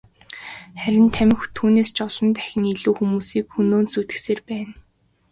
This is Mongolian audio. Харин тамхи түүнээс ч олон дахин илүү хүмүүсийг хөнөөн сүйтгэсээр байна.